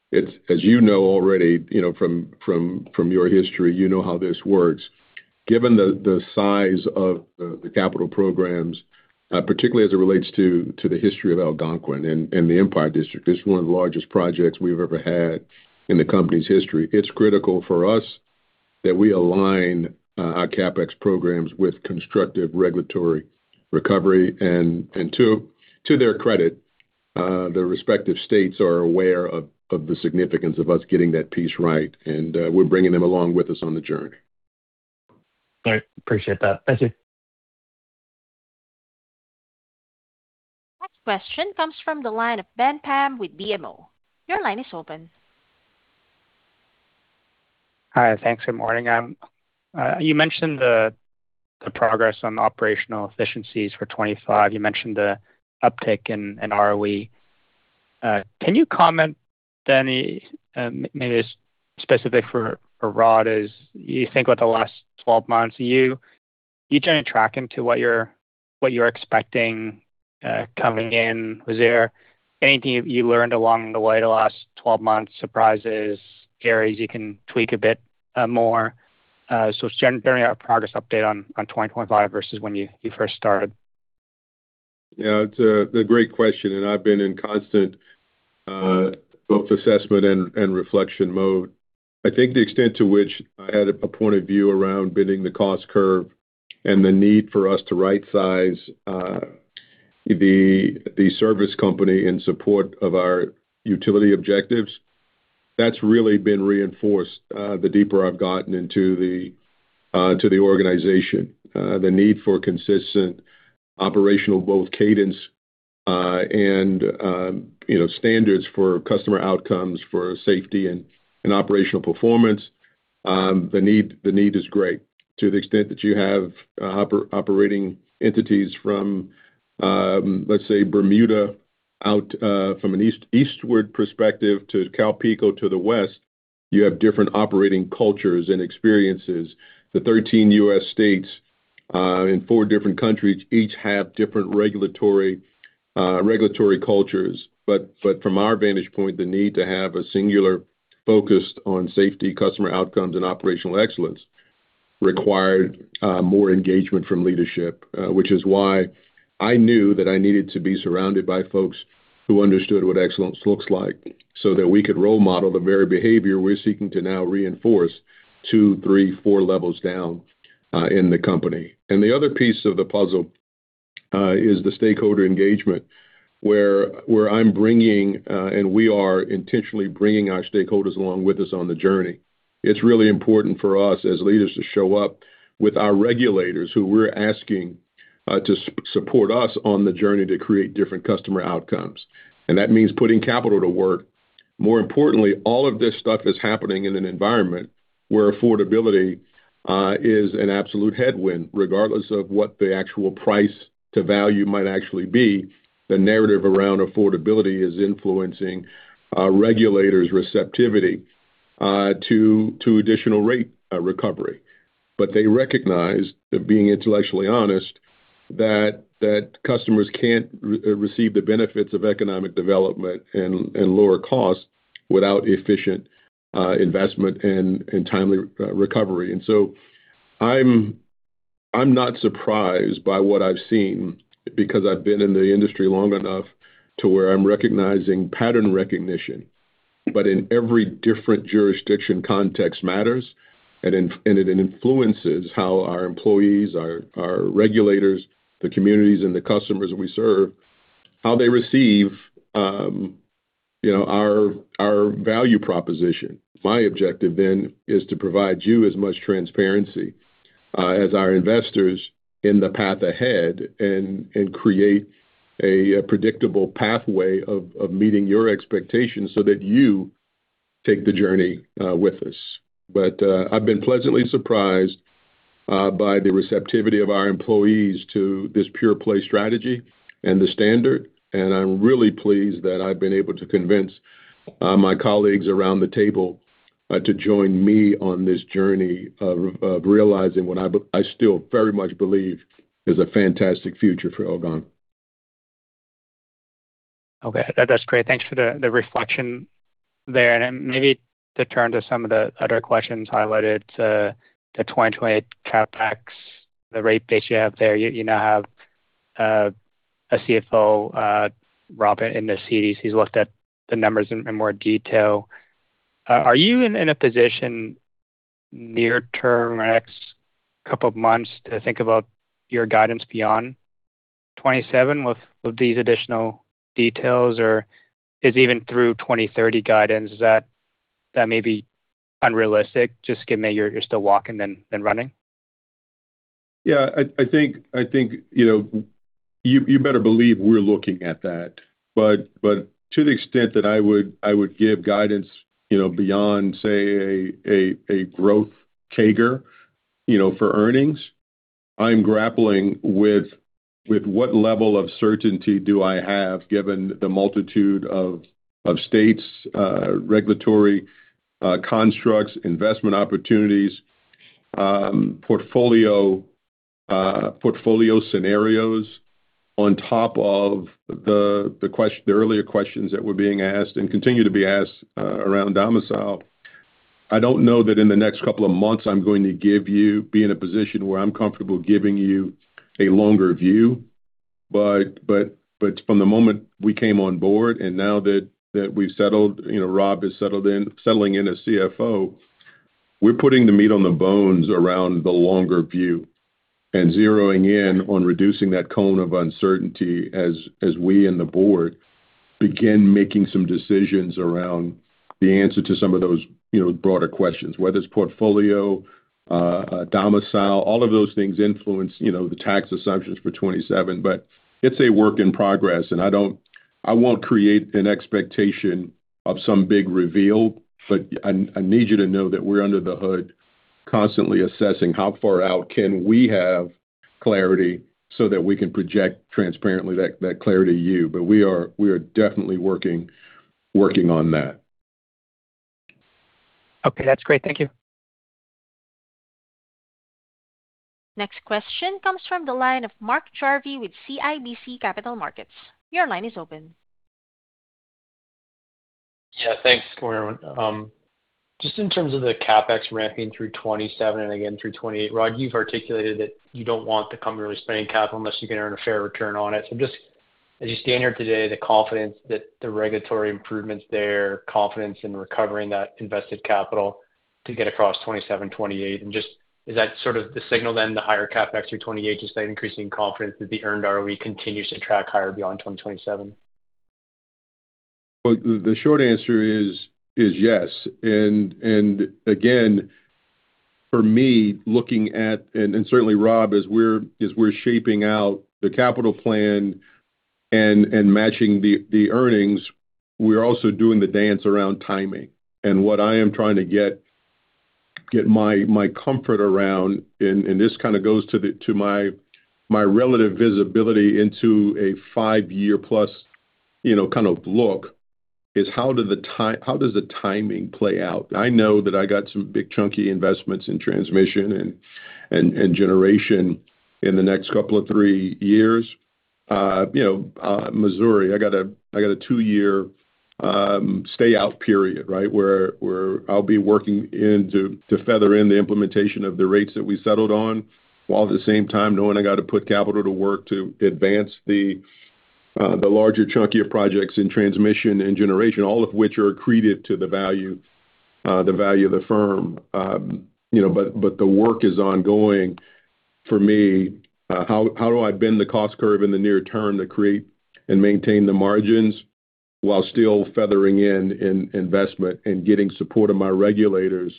It's as already from your history how this works. Given the size of the capital programs, particularly as it relates to the history of Algonquin and the Empire District, this is one of the largest projects we've ever had in the company's history. It's critical for us that we align our CapEx programs with constructive regulatory recovery. To their credit, the respective states are aware of the significance of us getting that piece right, and we're bringing them along with us on the journey. All right. Appreciate that. Thank you. Next question comes from the line of Ben Pham with BMO. Your line is open. Hi. Thanks. Good morning. You mentioned the progress on operational efficiencies for 2025. You mentioned the uptick in ROE. Can you comment then, maybe it's specific for Rod, as you think about the last 12 months, are you kind of tracking to what you're expecting coming in? Was there anything you learned along the way the last 12 months, surprises, areas you can tweak a bit more? Just gen-bearing out a progress update on 2025 versus when you first started. It's a great question, and I've been in constant both assessment and reflection mode. I think the extent to which I had a point of view around bending the cost curve and the need for us to right size the service company in support of our utility objectives, that's really been reinforced the deeper I've gotten into the organization. The need for consistent operational both cadence and, standards for customer outcomes, for safety and operational performance, the need is great. To the extent that you have operating entities from, let's say BELCO from an eastward perspective to CalPeco to the west, you have different operating cultures and experiences. The 13 U.S. states in four different countries, each have different regulatory cultures. From our vantage point, the need to have a singular focus on safety, customer outcomes, and operational excellence required more engagement from leadership. Which is why I knew that I needed to be surrounded by folks who understood what excellence looks like so that we could role model the very behavior we're seeking to now reinforce two, three, four levels down in the company. The other piece of the puzzle is the stakeholder engagement, where I'm bringing and we are intentionally bringing our stakeholders along with us on the journey. It's really important for us as leaders to show up with our regulators who we're asking to support us on the journey to create different customer outcomes. That means putting capital to work. More importantly, all of this stuff is happening in an environment where affordability is an absolute headwind. Regardless of what the actual price to value might actually be, the narrative around affordability is influencing regulators' receptivity to additional rate recovery. They recognize, that being intellectually honest, that customers can't receive the benefits of economic development and lower costs without efficient investment and timely recovery. I'm not surprised by what I've seen because I've been in the industry long enough to where I'm recognizing pattern recognition. In every different jurisdiction, context matters, and it influences how our employees, our regulators, the communities, and the customers we serve, how they receive, our value proposition. My objective then is to provide you as much transparency as our investors in the path ahead and create a predictable pathway of meeting your expectations so that you take the journey with us. I've been pleasantly surprised by the receptivity of our employees to this pure play strategy and the standard, and I'm really pleased that I've been able to convince my colleagues around the table to join me on this journey of realizing what I still very much believe is a fantastic future for Algonquin. Okay. That's great. Thanks for the reflection there. Maybe to turn to some of the other questions highlighted to the 2020 CapEx, the rate base you have there. You now have a CFO, Robert, in the seat. He's looked at the numbers in more detail. Are you in a position near term or next couple of months to think about your guidance beyond 2027 with these additional details? Is even through 2030 guidance, is that may be unrealistic? Just given that you're still walking than running. You better believe we're looking at that. To the extent that I would give guidance beyond say a growth CAGR for earnings. I'm grappling with what level of certainty do I have given the multitude of states, regulatory constructs, investment opportunities, portfolio scenarios on top of the earlier questions that were being asked and continue to be asked around domicile. I don't know that in the next couple of months I'm going to be in a position where I'm comfortable giving you a longer view. From the moment we came on board and now that we've settled, Rob has settled in as CFO, we're putting the meat on the bones around the longer view and zeroing in on reducing that cone of uncertainty as we and the board begin making some decisions around the answer to some of those, broader questions. Whether it's portfolio, domicile, all of those things influence, the tax assumptions for 2027. It's a work in progress, and I won't create an expectation of some big reveal, but I need you to know that we're under the hood constantly assessing how far out can we have clarity so that we can project transparently that clarity to you. We are definitely working on that. Okay, that's great. Thank you. Next question comes from the line of Mark Jarvi with CIBC Capital Markets. Your line is open. Thanks. Good morning, everyone. Just in terms of the CapEx ramping through 2027 and again through 2028, Rod, you've articulated that you don't want the company really spending capital unless you can earn a fair return on it. Just as you stand here today, the confidence that the regulatory improvements there, confidence in recovering that invested capital to get across 2027, 2028? Just is that sort of the signal then the higher CapEx through 2028, just that increasing confidence that the earned ROE continues to track higher beyond 2027? Well, the short answer is yes. Again, for me, looking at, certainly Rob, as we're shaping out the capital plan and matching the earnings, we're also doing the dance around timing. What I am trying to get my comfort around, this kind of goes to my relative visibility into a 5-year+ kind of look is how does the timing play out? I know that I got some big chunky investments in transmission and generation in the next couple of 3 years. Missouri, I got a 2-year stay out period, right? Where I'll be working in to feather in the implementation of the rates that we settled on, while at the same time knowing I got to put capital to work to advance the larger chunkier projects in transmission and generation, all of which are accretive to the value of the firm. the work is ongoing for me. How do I bend the cost curve in the near term to create and maintain the margins while still feathering in investment and getting support of my regulators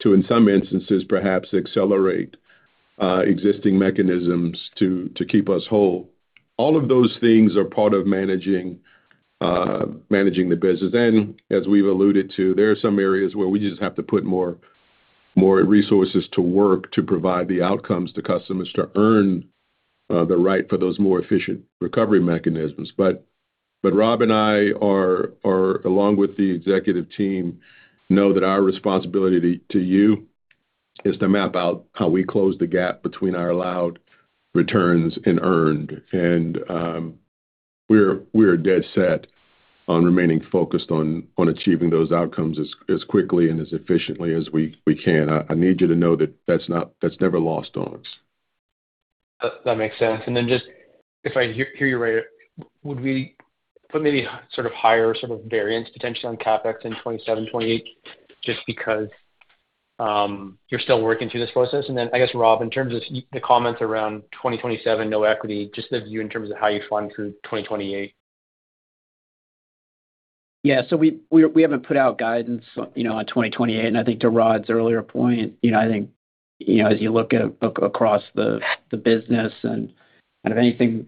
to, in some instances, perhaps accelerate existing mechanisms to keep us whole? All of those things are part of managing the business. As we've alluded to, there are some areas where we just have to put more resources to work to provide the outcomes to customers to earn the right for those more efficient recovery mechanisms. Rob and I are along with the executive team, know that our responsibility to you is to map out how we close the gap between our allowed returns and earned. We're dead set on remaining focused on achieving those outcomes as quickly and as efficiently as we can. I need you to know that that's never lost on us. That makes sense. Just if I hear you right, would we put maybe sort of higher sort of variance potentially on CapEx in 27, 28 just because you're still working through this process? I guess, Rob, in terms of the comments around 2027, no equity, just the view in terms of how you fund through 2028. Yeah. We haven't put out guidance, on 2028. I think to Rod's earlier point, I think, as you look across the business and if anything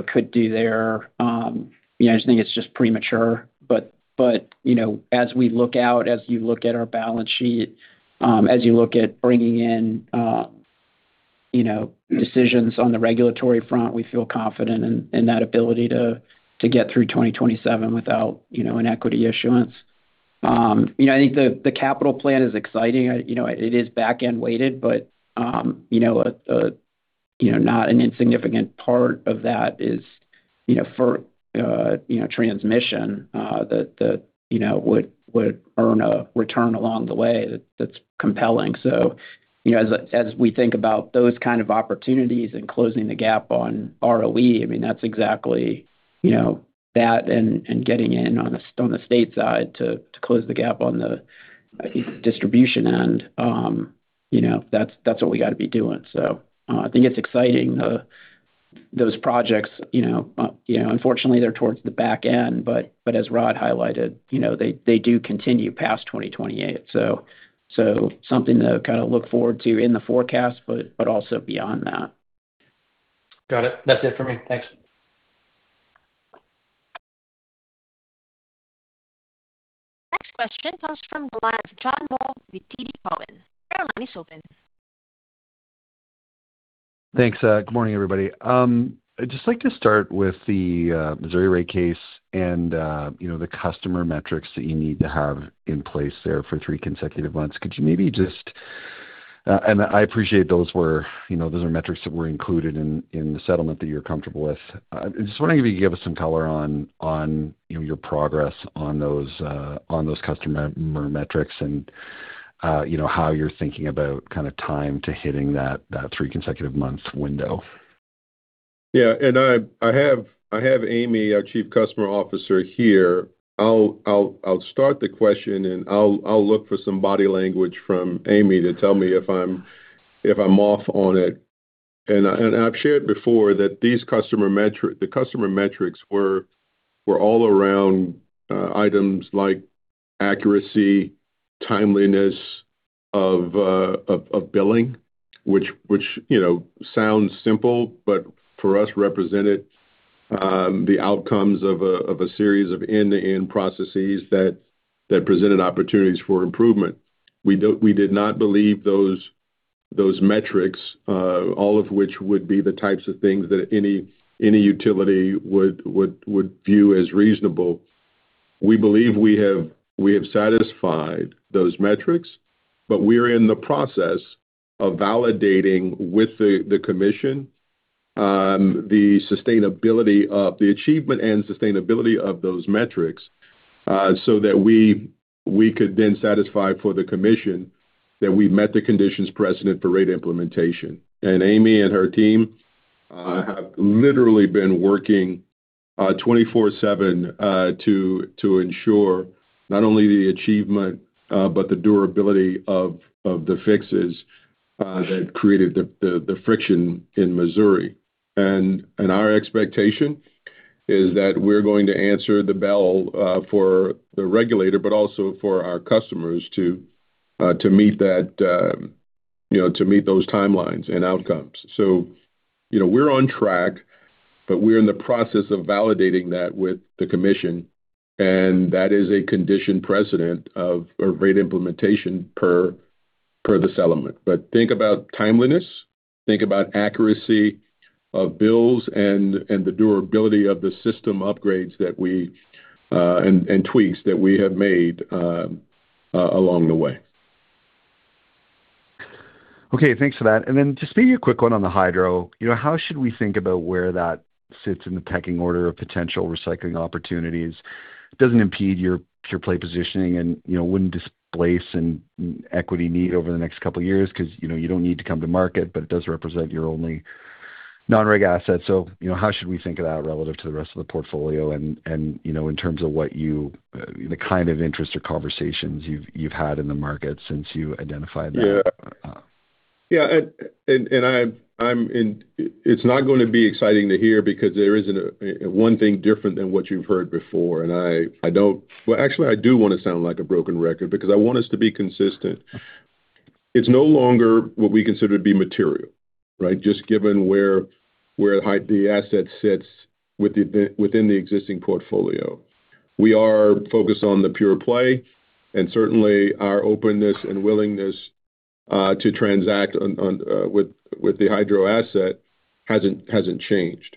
we, could do there, I just think it's just premature. as we look out, as you look at our balance sheet, as you look at bringing in, decisions on the regulatory front, we feel confident in that ability to get through 2027 without, an equity issuance. I think the capital plan is exciting. It is back-end weighted, but, not an insignificant part of that is, for, transmission, that, would earn a return along the way that's compelling. as we think about those kind of opportunities and closing the gap on ROE, I mean, that's exactly, that and getting in on the state side to close the gap on the distribution end, that's what we got to be doing. I think it's exciting, those projects, unfortunately, they're towards the back end, but as Rod highlighted, they do continue past 2028. Something to kind of look forward to in the forecast, but also beyond that. Got it. That's it for me. Thanks. Next question comes from the line of John Hall with TD Cowen. Operator, line is open. Thanks. Good morning, everybody. I'd just like to start with the Missouri rate case and the customer metrics that you need to have in place there for three consecutive months. Could you maybe just. And I appreciate those were, those are metrics that were included in the settlement that you're comfortable with. I'm just wondering if you could give us some color on, your progress on those on those customer metrics and, how you're thinking about kind of time to hitting that three consecutive month window. I have Amy, our chief customer officer here. I'll start the question, and I'll look for some body language from Amy to tell me if I'm off on it. I've shared before that the customer metrics were all around items like accuracy, timeliness of billing, which, sounds simple, but for us represented the outcomes of a series of end-to-end processes that presented opportunities for improvement. We did not believe those metrics, all of which would be the types of things that any utility would view as reasonable. We believe we have satisfied those metrics, but we're in the process of validating with the commission the achievement and sustainability of those metrics so that we could then satisfy for the commission that we met the conditions precedent for rate implementation. Amy and her team have literally been working 24/7 to ensure not only the achievement, but the durability of the fixes that created the friction in Missouri. Our expectation is that we're going to answer the bell for the regulator, but also for our customers to meet that. to meet those timelines and outcomes. we're on track, but we're in the process of validating that with the commission, and that is a condition precedent of a rate implementation per the settlement. Think about timeliness, think about accuracy of bills and the durability of the system upgrades that we, and tweaks that we have made along the way. Okay, thanks for that. Then just maybe a quick one on the hydro. how should we think about where that sits in the pecking order of potential recycling opportunities? It doesn't impede your pure play positioning and, wouldn't displace an equity need over the next couple of years 'cause, you don't need to come to market, but it does represent your only non-reg assets. how should we think of that relative to the rest of the portfolio? in terms of what you, the kind of interest or conversations you've had in the market since you identified that. Yeah. It's not going to be exciting to hear because there isn't a one thing different than what you've heard before, Well, actually, I do want to sound like a broken record because I want us to be consistent. It's no longer what we consider to be material, right? Just given where the asset sits within the existing portfolio. We are focused on the pure play, certainly our openness and willingness to transact on with the hydro asset hasn't changed.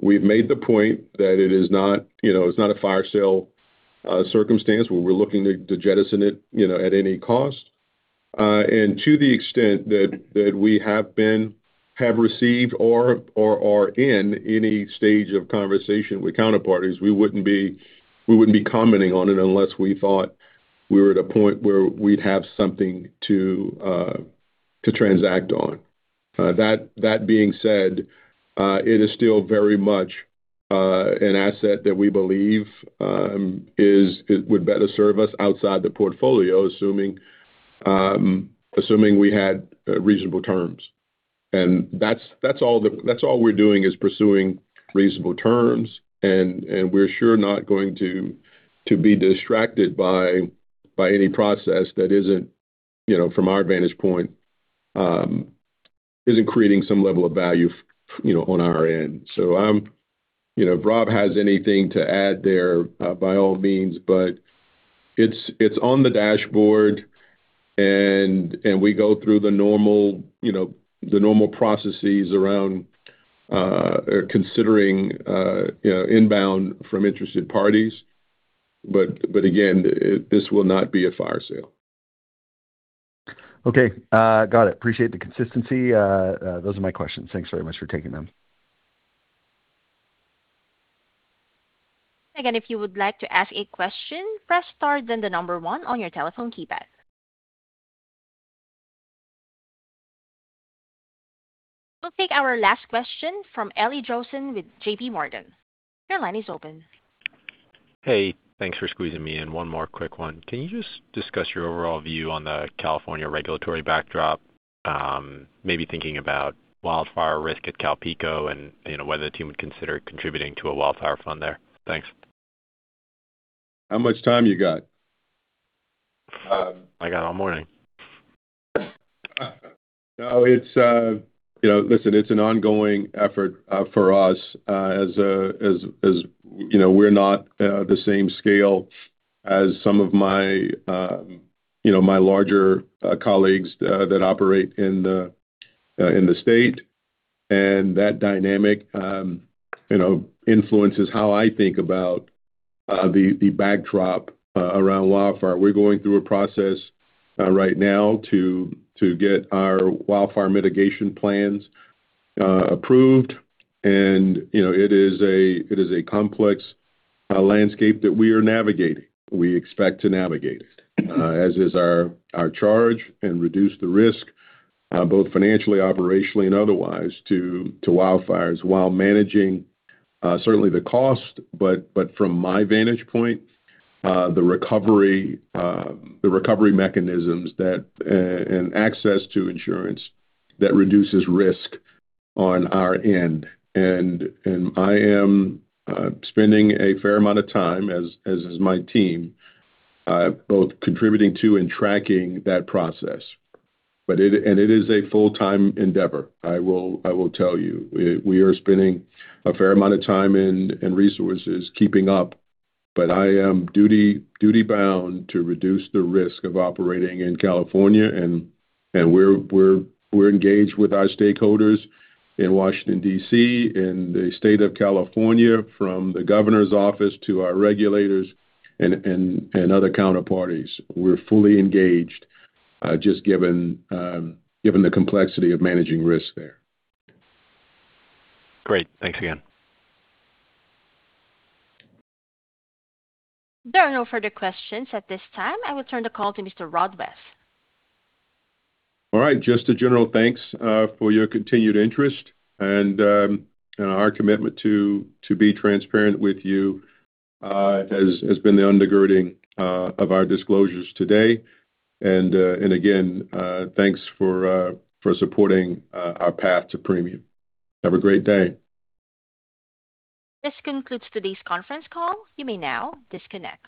We've made the point that it is not, it's not a fire sale circumstance where we're looking to jettison it, at any cost. To the extent that we have received or in any stage of conversation with counterparties, we wouldn't be commenting on it unless we thought we were at a point where we'd have something to transact on. That being said, it is still very much an asset that we believe it would better serve us outside the portfolio, assuming we had reasonable terms. That's all we're doing is pursuing reasonable terms, and we're sure not going to be distracted by any process that isn't, from our vantage point, isn't creating some level of value on our end. if Rob has anything to add there, by all means. It's on the dashboard and we go through the normal, the normal processes around, considering, inbound from interested parties. Again, this will not be a fire sale. Okay, got it. Appreciate the consistency. Those are my questions. Thanks very much for taking them. Again, if you would like to ask a question, press star then one on your telephone keypad. We'll take our last question from Richard Sunderland with JP Morgan. Your line is open. Hey, thanks for squeezing me in. One more quick one. Can you just discuss your overall view on the California regulatory backdrop, maybe thinking about wildfire risk at CalPeco and, whether the team would consider contributing to a wildfire fund there? Thanks. How much time you got? I got all morning. No. It's, listen, it's an ongoing effort for us, as a, we're not the same scale as some of my, my larger colleagues that operate in the state. That dynamic, influences how I think about the backdrop around wildfire. We're going through a process right now to get our wildfire mitigation plans approved. it is a complex landscape that we are navigating. We expect to navigate it as is our charge and reduce the risk both financially, operationally and otherwise to wildfires while managing certainly the cost. From my vantage point, the recovery mechanisms that and access to insurance that reduces risk on our end. I am spending a fair amount of time, as is my team, both contributing to and tracking that process. It is a full-time endeavor. I will tell you. We are spending a fair amount of time and resources keeping up. I am duty-bound to reduce the risk of operating in California. We're engaged with our stakeholders in Washington D.C. and the state of California from the governor's office to our regulators and other counterparties. We're fully engaged, just given the complexity of managing risks there. Great. Thanks again. There are no further questions at this time. I will turn the call to Mr. Rod West. All right. Just a general thanks for your continued interest and our commitment to be transparent with you has been the undergirding of our disclosures today. Again, thanks for supporting our path to premium. Have a great day. This concludes today's conference call. You may now disconnect.